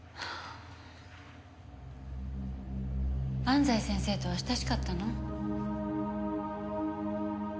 安西先生とは親しかったの？